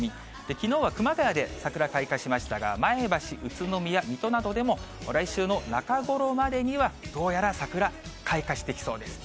きのうは熊谷で桜開花しましたが、前橋、宇都宮、水戸などでも、来週の中頃までにはどうやら桜、開花してきそうです。